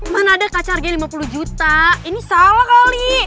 mana ada kaca harganya lima puluh juta ini salah kali